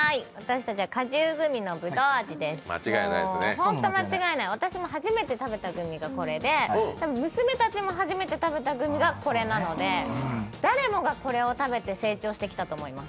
本当間違いない、私の初めて食べたグミがこれで娘たちも初めて食べたグミがこれなので誰もがこれを食べて成長してきたと思います。